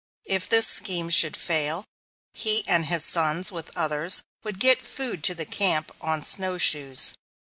If this scheme should fail, he and his sons with others would get food to the camp on snowshoes.